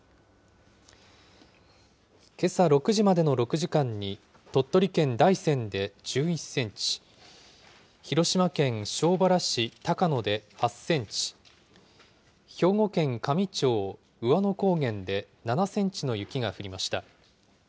けさ６時までの６時間に鳥取県大山で１１センチ、広島県庄原市高野で８センチ、兵庫県香美町兎和野高原で７センチの雪が降りました。